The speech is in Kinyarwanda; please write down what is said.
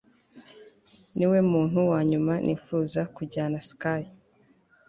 niwe muntu wanyuma nifuza kujyana ski